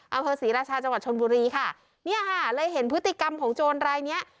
อำเภอศรีราชาจังหวัดชนบุรีค่ะเนี่ยค่ะเลยเห็นพฤติกรรมของโจรรายเนี้ย